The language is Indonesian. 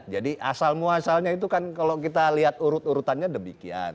jadi asal muasalnya itu kan kalau kita lihat urut urutannya demikian